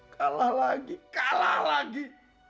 kalah lagi kalah lagi